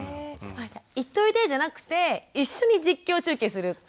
「行っといで」じゃなくて一緒に実況中継する感じ。